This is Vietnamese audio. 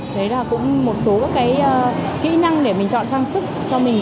đấy là cũng một số cái kỹ năng để mình chọn trang sức cho mình